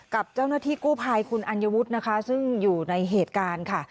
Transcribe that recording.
กับเจ้าหน้าที่กู้ภัยคุณอัญวุฒินะคะซึ่งอยู่ในเหตุการณ์ค่ะ